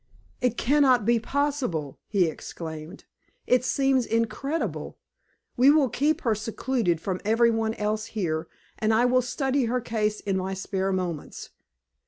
"It can not be possible!" he exclaimed. "It seems incredible! We will keep her secluded from every one else here, and I will study her case in my spare moments.